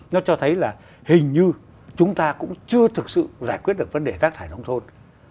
nó cho thấy là hình như chúng ta cũng chưa thực sự giải quyết được vấn đề rác thải nông thôn